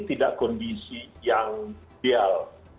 tidak kondisi yang ideal